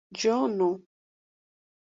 Yo no.